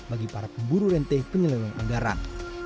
bagi para pemburu renteh penyelenggaraan anggaran